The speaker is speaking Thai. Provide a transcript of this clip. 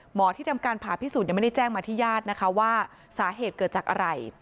ที่ทำการผ่าพิสูจนยังไม่ได้แจ้งมาที่ญาตินะคะว่าสาเหตุเกิดจากอะไร